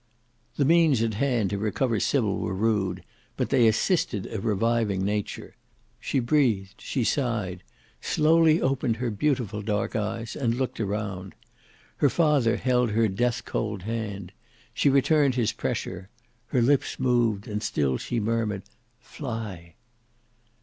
The means at hand to recover Sybil were rude, but they assisted a reviving nature. She breathed, she sighed, slowly opened her beautiful dark eyes, and looked around. Her father held her death cold hand; she returned his pressure: her lips moved, and still she murmured "fly!"